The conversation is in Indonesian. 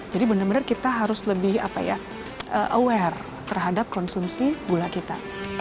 jadi benar benar kita harus lebih aware terhadap konsumsi gula kita